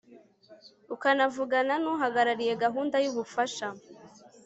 ukanavugana n'uhagarariye gahunda y'ubufasha